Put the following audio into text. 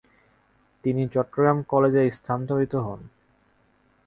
তিনি চট্টগ্রাম কলেজে স্থানান্তরিত হন।